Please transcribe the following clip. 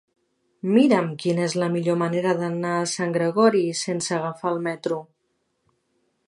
Mira'm quina és la millor manera d'anar a Sant Gregori sense agafar el metro.